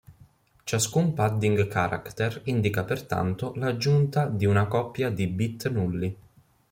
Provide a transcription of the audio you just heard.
Ciascun padding character indica pertanto l'aggiunta di una coppia di bit nulli.